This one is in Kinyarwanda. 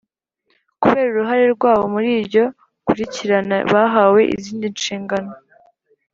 Kubera uruhare rwabo muri iryo kurikirana bahawe izindi nshingano